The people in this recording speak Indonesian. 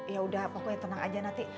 ya udah pokoknya tenang aja nanti